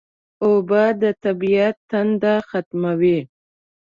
اوبه د طبیعت تنده ختموي